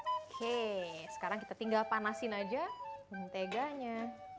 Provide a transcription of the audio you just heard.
oke sekarang kita tinggal panasin aja menteganya